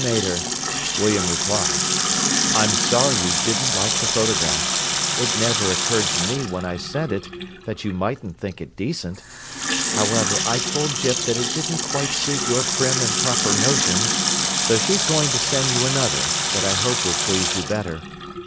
"Dear Mater," William replied. "I'm sorry you didn't like the photograph. It never occurred to me when I sent it, that you mightn't think it decent. However, I told Gyp that it didn't quite suit your prim and proper notions, so she's going to send you another, that I hope will please you better.